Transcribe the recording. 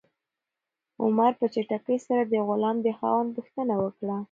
عمر په چټکۍ سره د غلام د خاوند پوښتنه وکړه.